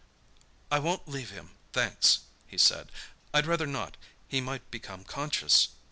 "I won't leave him, thanks," he said. "I'd rather not—he might become conscious."